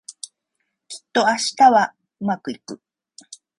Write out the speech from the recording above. きっと明日はうまくいく